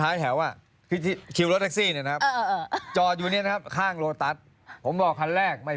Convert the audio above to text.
แล้วตัวนี้แกจอดรอทำไมตามจะจอดรอทำไม